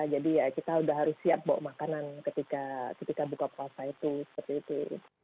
jadi ya kita udah harus siap bawa makanan ketika buka puasa itu